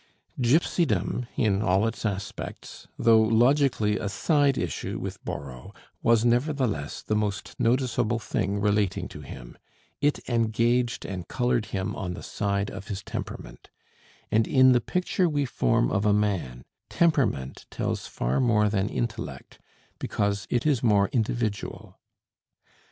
Gipsydom in all its aspects, though logically a side issue with Borrow, was nevertheless the most noticeable thing relating to him: it engaged and colored him on the side of his temperament; and in the picture we form of a man, temperament tells far more than intellect because it is more individual.